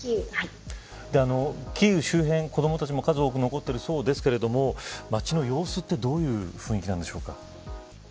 キーウ周辺、子どもたちも数多く残っているそうですが町の様子はどういう雰囲気なんでしょうか。